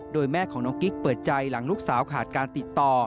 โดยแม่ของน้องกิ๊กเปิดใจหลังลูกสาวขาดการติดต่อ